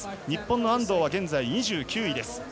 日本の安藤は現在、２９位です。